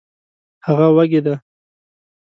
هغه وږې ده